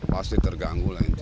pasti terganggu lah itu